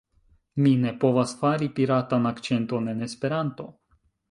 Mi ne povas fari piratan akĉenton en Esperanto